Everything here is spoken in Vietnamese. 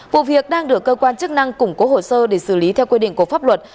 vụ việc đang được cơ quan chức năng củng cố hồ sơ để xử lý theo quy định của pháp luật